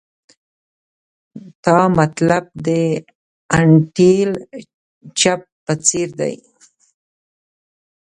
تا مطلب د انټیل چپ په څیر دی